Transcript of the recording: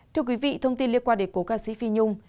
thưa quý vị thông tin liên quan đến cố ca sĩ phi nhung